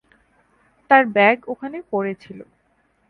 তার ব্যাগ ওখানে পড়ে ছিল।